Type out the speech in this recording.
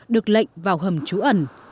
được lệnh vào hầm trú ẩn